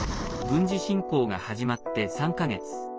軍事侵攻が始まって３か月。